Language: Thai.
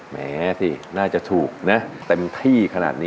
แหมสิน่าจะถูกนะเต็มที่ขนาดนี้